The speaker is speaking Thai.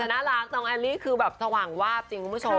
แต่น่ารักน้องแอลลี่คือแบบสว่างวาบจริงคุณผู้ชม